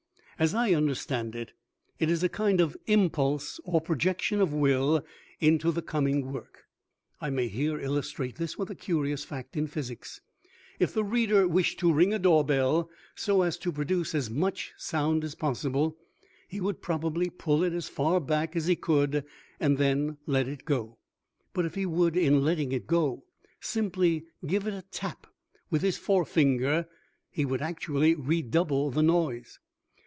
As I understand it, it is a kind of impulse or projection of will into the coming work. I may here illustrate this with a curious fact in physics. If the reader wished to ring a door bell so as to produce as much sound as possible he would probably pull it as far back as he could and then let it go. But if he would in letting it go simply give it a tap with his forefinger he would actually redouble the noise.